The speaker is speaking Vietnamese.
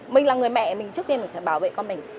mình là người mẹ mình trước tiên mình phải bảo vệ con mình